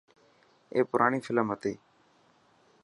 اي پراڻي فلم هتي.